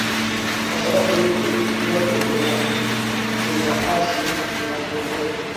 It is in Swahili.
kwa sababu hivi vyote vinaashi vinakuwezesha